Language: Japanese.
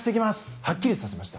はっきりさせました。